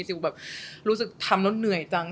แบบรู้สึกทำแล้วเหนื่อยจัง